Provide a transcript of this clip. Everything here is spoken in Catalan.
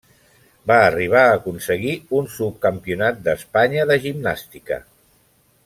Va arribar a aconseguir un subcampionat d'Espanya de gimnàstica.